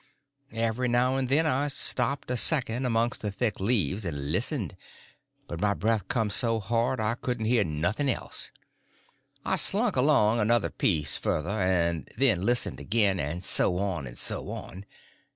Every now and then I stopped a second amongst the thick leaves and listened, but my breath come so hard I couldn't hear nothing else. I slunk along another piece further, then listened again; and so on, and so on.